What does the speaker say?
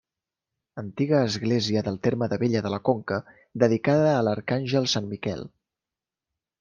Antiga església del terme d'Abella de la Conca dedicada a l'arcàngel sant Miquel.